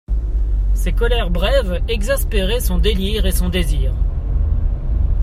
Ces colères brèves exaspéraient son délire et son désir.